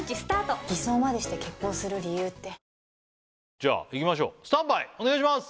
じゃあいきましょうスタンバイお願いします！